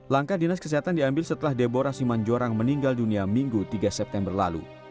langkah dinas kesehatan diambil setelah debo rasiman jorang meninggal dunia minggu tiga september lalu